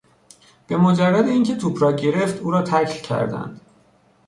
به مجرد اینکه توپ را گرفت او را تکل کردند.